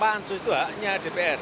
pasus itu haknya dpr